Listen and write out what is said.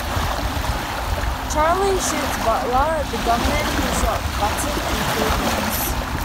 Charley shoots Butler, the gunman who shot Button and killed Mose.